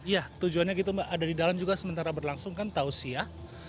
ya tujuannya gitu mbak ada di dalam juga sementara berlangsung kan tausiah